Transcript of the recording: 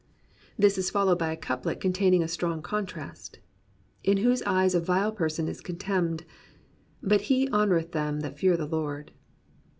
This is followed by a couplet containing a strong contrast : In whose eyes a vile person is contemned: But he honoureth them that fear the Lord.